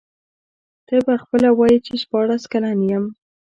ته به خپله وایې چي شپاړس کلن یم.